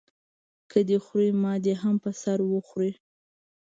که دی خوري ما دې هم په سر وخوري.